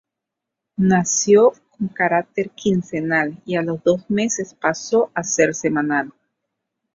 Nació con carácter quincenal, y a los dos meses pasó a ser semanal.